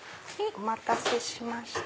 お待たせしました。